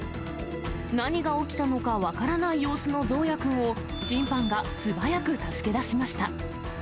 何が起きたのか分からない様子のゾーヤ君を、審判が素早く助け出しました。